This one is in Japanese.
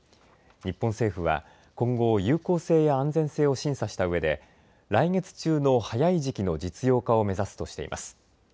日本政府は今後、有効性や安全性を審査したうえで来月中の早い時期の実用化を目指すとしています。